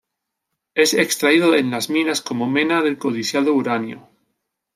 Es extraído en las minas como mena del codiciado uranio.